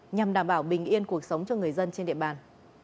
nhằm đảm bảo bình yên cuộc sống cho người dân trên địa bàn